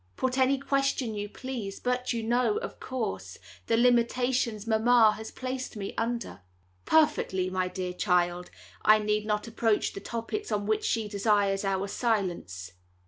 Put any question you please, but you know, of course, the limitations mamma has placed me under." "Perfectly, my dear child. I need not approach the topics on which she desires our silence.